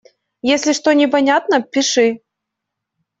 Если что непонятно - пиши.